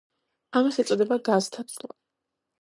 ამას ეწოდება გაზთა ცვლა.